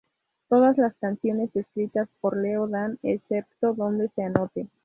Todas las canciones escritas por Leo Dan, excepto donde se anote.